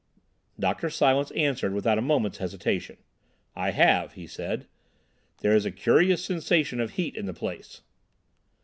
Dr. Silence answered without a moment's hesitation. "I have," he said. "There is a curious sensation of heat in the place."